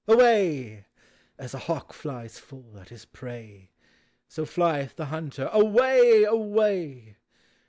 Away !— as a hawk flies full at his prey. So flieth the hunter, away, away